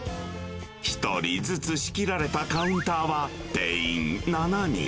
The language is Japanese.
１人ずつ仕切られたカウンターは定員７人。